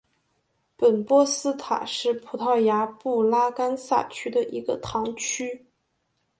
本波斯塔是葡萄牙布拉干萨区的一个堂区。